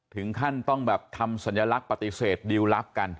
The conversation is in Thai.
ถึงขั้นต้องแบบทำสัญลักษณ์ปฏิเสธดิวลลับกัน